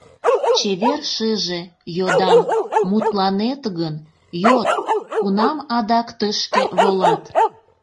Чевер шыже, йодам, мутланет гын, Йод, кунам адак тышке волат?